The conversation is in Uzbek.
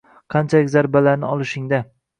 Qanchalik zarbalarni olishingda.